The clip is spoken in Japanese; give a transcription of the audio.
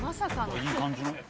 いい感じの。